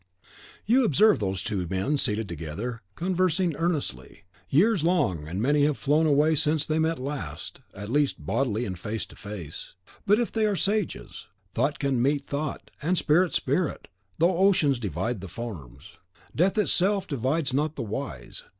You observe those two men seated together, conversing earnestly. Years long and many have flown away since they met last, at least, bodily, and face to face. But if they are sages, thought can meet thought, and spirit spirit, though oceans divide the forms. Death itself divides not the wise.